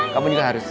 kamu juga harus